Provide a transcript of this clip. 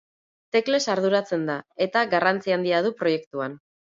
Teklez arduratzen da, eta garrantzi handia du proiektuan.